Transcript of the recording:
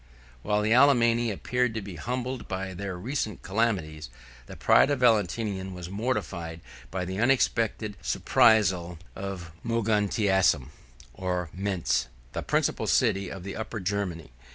] While the Alemanni appeared to be humbled by their recent calamities, the pride of Valentinian was mortified by the unexpected surprisal of Moguntiacum, or Mentz, the principal city of the Upper Germany.